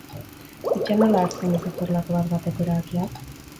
Etxean nola hartzen dituzte horrelako bat-bateko erabakiak?